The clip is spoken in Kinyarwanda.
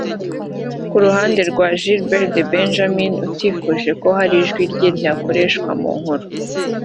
Ku ruhande rwa Gilbert The Benjamin utifuje ko hari ijwi rye ryakoreshwa mu nkuru